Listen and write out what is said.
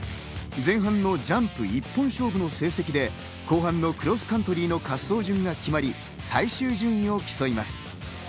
前半のジャンプ１本勝負の成績で、後半のクロスカントリーの滑走順が決まり、最終順位を競います。